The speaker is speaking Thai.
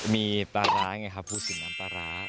มีตาร้าไงครับผู้สินน้ำตาร้า